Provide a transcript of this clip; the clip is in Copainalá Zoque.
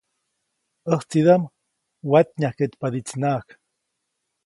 ‒ʼÄjtsidaʼm watnyajkeʼtpadiʼtsinaʼajk-.